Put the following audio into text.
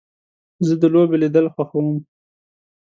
زه د لوبو لیدل خوښوم.